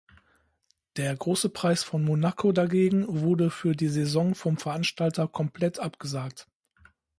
Der Große Preis von Monaco dagegen wurde für die Saison vom Veranstalter komplett abgesagt.